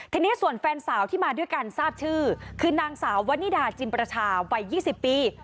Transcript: ทีนี้ส่วนแฟนสาวที่มาด้วยกันทราบชื่อคือนางสาววนิดาจินประชาวัย๒๐ปี